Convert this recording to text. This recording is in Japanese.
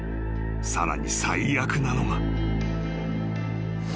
［さらに最悪なのが］